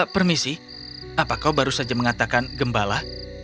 permisi apa kau baru saja mengatakan gembala